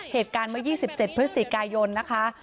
เหตุการณ์เมื่อ๒๗พฤศจิกายนนะคะ